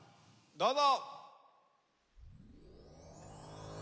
どうぞ！